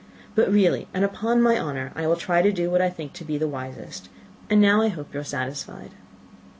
But really, and upon my honour, I will try to do what I think to be wisest; and now I hope you are satisfied."